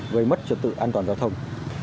gây mất trường tự an toàn giao thông